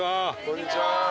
・こんにちは。